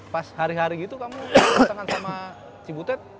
pas hari hari gitu kamu pasangan sama cibutet